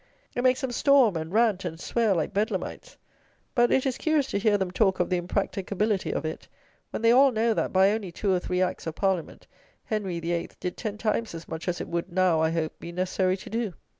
It makes them storm and rant and swear like Bedlamites. But it is curious to hear them talk of the impracticability of it; when they all know that, by only two or three Acts of Parliament, Henry VIII. did ten times as much as it would now, I hope, be necessary to do.